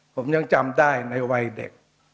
ผมยังจำได้ในวัยเด็ก